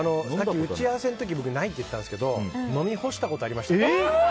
打ち合わせの時僕ないと言ったんですが飲み干したことありました。